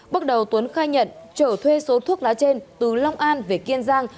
bắt đầu tuấn khai nhận chở thuê số thuốc lá trên từ long an về kiên giang